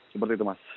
seperti itu mas